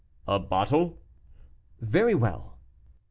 "A bottle." "Very well."